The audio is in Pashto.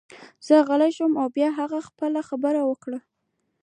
زه غلی شوم او بیا هغې خپله خبره وکړه